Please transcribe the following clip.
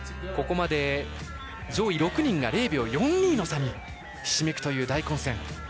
ここまで上位６人が０秒４２の差にひしめくという大混戦。